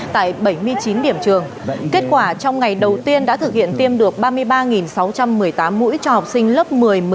tại bảy mươi chín điểm trường kết quả trong ngày đầu tiên đã thực hiện tiêm được ba mươi ba sáu trăm một mươi tám mũi cho học sinh lớp một mươi một mươi một